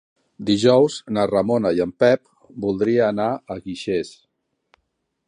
Dijous na Ramona i en Pep voldria anar a Guixers.